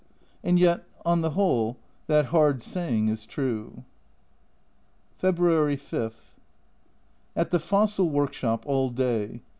And yet on the whole, that hard saying is true. February 5. At the fossil workshop all day.